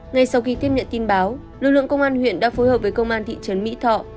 ngay sau khi tiếp nhận tin báo lực lượng công an huyện đã phối hợp với công an thị trấn mỹ thọ